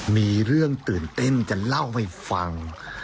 มีเรื่องตื่นเต้นจะเล่าให้ฟัง